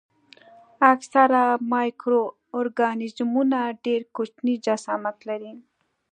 اکثره مایکرو ارګانیزمونه ډېر کوچني جسامت لري.